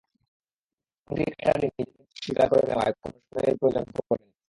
তিন ক্রিকেটারই নিজেদের দোষ স্বীকার করে নেওয়ায় কোনো শুনানির প্রয়োজন পড়েনি।